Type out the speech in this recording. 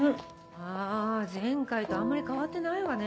あ前回とあんまり変わってないわね。